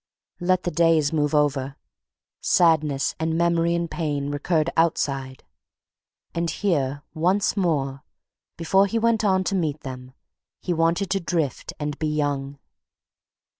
Let the days move over—sadness and memory and pain recurred outside, and here, once more, before he went on to meet them he wanted to drift and be young.